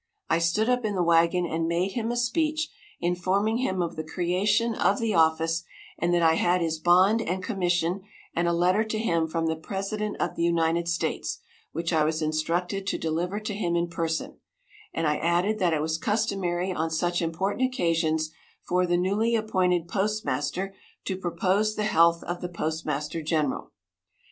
I stood up in the wagon, and made him a speech, informing him of the creation of the office, and that I had his bond and commission and a letter to him from the president of the United States, which I was instructed to deliver to him in person, and I added that it was customary on such important occasions for the newly appointed postmaster to propose the health of the postmaster general.